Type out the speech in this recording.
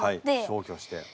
消去して。